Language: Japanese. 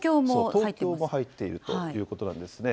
東京も入っているということなんですね。